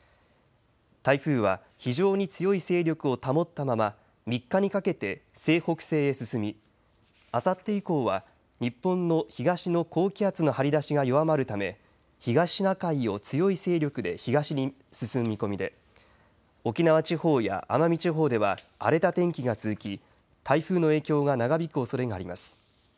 台風は非常に強い勢力を保ったまま３日にかけて西北西へ進みあさって以降は日本の東の高気圧の張り出しが弱まるため東シナ海を強い勢力で東に進む見込みで沖縄地方や奄美地方では荒れた天気が続き台風の影響が長引くおそれがあります。